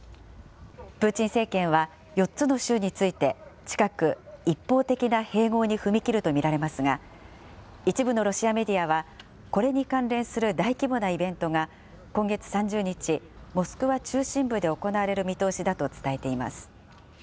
プーチン政権は４つの州について、近く、一方的な併合に踏み切ると見られますが、一部のロシアメディアは、これに関連する大規模なイベントが今月３０日、モスクワ中心部で行われる見通しだと伝えています。